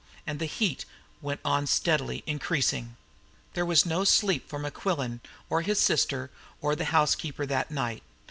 And the heat went on steadily increasing. There was no sleep for Mequillen or his sister or the housekeeper that night.